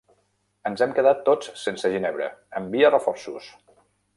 Ens hem quedat tots sense ginebra, envia reforços!